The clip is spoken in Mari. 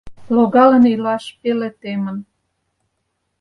Логалын илаш пеле темын: